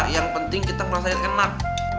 yang penting kita ngerasain enak